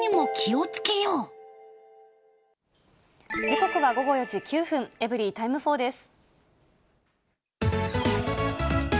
時刻は午後４時９分、エブリィタイム４です。